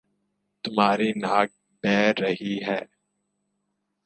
تمہاری ناک بہ رہی ہے